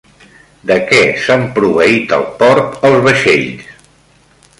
De què s'han proveït al port els vaixells?